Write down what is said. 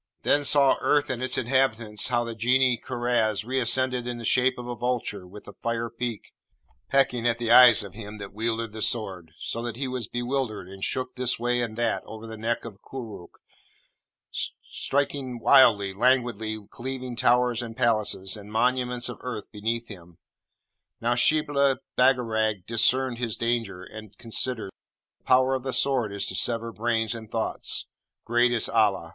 Then saw earth and its inhabitants how the Genie Karaz re ascended in the shape of a vulture with a fire beak, pecking at the eyes of him that wielded the Sword, so that he was bewildered and shook this way and that over the neck of Koorookh, striking wildly, languidly cleaving towers and palaces, and monuments of earth underneath him. Now, Shibli Bagarag discerned his danger, and considered, 'The power of the Sword is to sever brains and thoughts. Great is Allah!